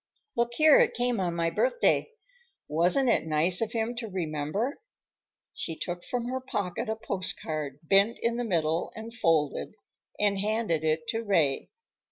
Look here, it came on my birthday. Wasn't it nice of him to remember?" She took from her pocket a postcard, bent in the middle and folded, and handed it to Ray.